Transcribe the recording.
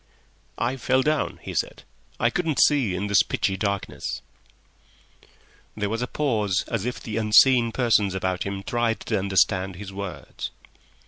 "I fell down," he said; "I couldn't see in this pitchy darkness." There was a pause as if the unseen persons about him tried to understand his words.